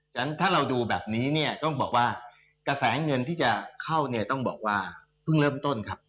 ฉะนั้นถ้าเราดูแบบนี้เนี่ยต้องบอกว่ากระแสเงินที่จะเข้าเนี่ยต้องบอกว่าเพิ่งเริ่มต้นครับ